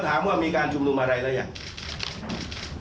ปฏิตามภาพบังชั่วมังตอนของเหตุการณ์ที่เกิดขึ้นในวันนี้พร้อมกันครับ